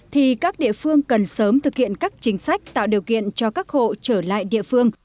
thì các địa phương cần sớm thực hiện các chính sách tạo điều kiện cho các hộ trở lại địa phương